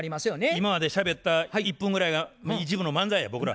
今までしゃべった１分ぐらいが１部の漫才や僕ら。